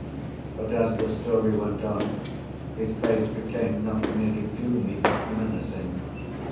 But as the story went on, his face became not merely gloomy, but menacing.